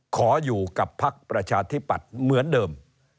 ขออยู่กับพักประชาธิปัตย์เหมือนเดิม